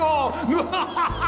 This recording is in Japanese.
ワハハハ！